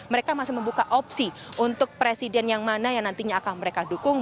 mereka masih membuka opsi untuk presiden yang mana yang nantinya akan mereka dukung